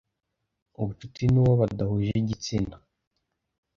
ubucuti n uwo badahuje igitsina